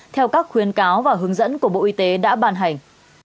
theo các khuyên cáo và hướng dẫn của bộ y tế đã bàn hành